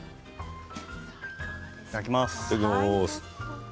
いただきます。